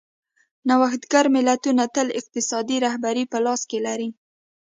نوښتګر ملتونه تل اقتصادي رهبري په لاس کې لري.